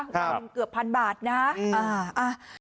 ครับคือเกือบ๑๐๐๐บาทนะอ่าอ่า